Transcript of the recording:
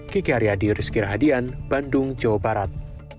kiki aryadi rizky rahadian bandung jawa barat